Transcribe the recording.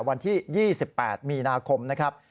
วันที่๒๘มีนาคมนะครับ